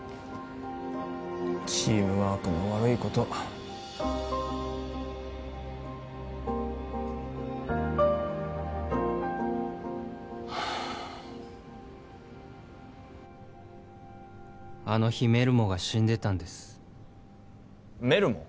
チームワークの悪いことはあっあの日メルモが死んでたんですメルモ？